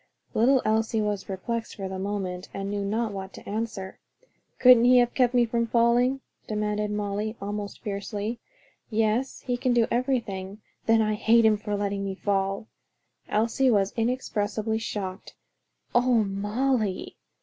Little Elsie was perplexed for the moment, and knew not what to answer. "Couldn't he have kept me from falling?" demanded Molly, almost fiercely. "Yes, he can do everything." "Then I hate him for letting me fall!" Elsie was inexpressibly shocked. "Oh, Molly!"